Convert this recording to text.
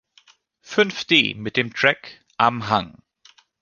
Fünf D mit dem Track - Am Hang.